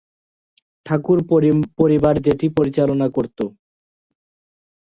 ঠাকুর পরিবার যেটি পরিচালনা করত।